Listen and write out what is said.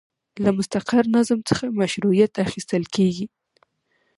له مستقر نظم څخه مشروعیت اخیستل کیږي.